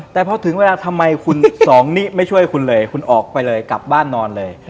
แต่พอถึงเวลาทำไมคุณสองนิไม่ช่วยคุณเลยคุณออกไปเลยกลับบ้านนอนเลย